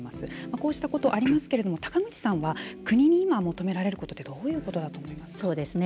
こうしたことがありますけれども高口さんは国に今、求められることはどういうことだと思いますか。